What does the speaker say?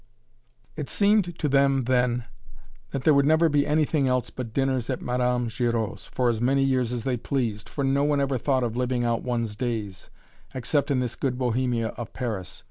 It seemed to them then that there would never be anything else but dinners at Madame Giraud's for as many years as they pleased, for no one ever thought of living out one's days, except in this good Bohemia of Paris.